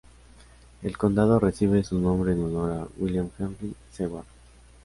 El condado recibe su nombre en honor a William Henry Seward.